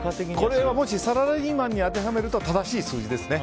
これがもしサラリーマンに当てはめると正しい数字ですね。